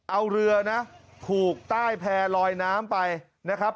เอาเรือนะผูกใต้แพร่ลอยน้ำไปนะครับ